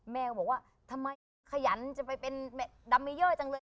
แม่ก็บอกว่าทำไมขยันจะไปเป็นดัมเมเยอร์จังเลย